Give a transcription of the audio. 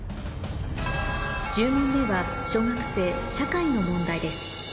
１０問目は小学生社会の問題です